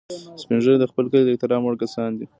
سپین ږیری د خپل کلي د احترام وړ کسان دي